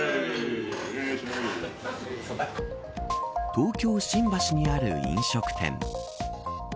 東京、新橋にある飲食店。